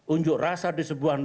unjuk rasa di sebuah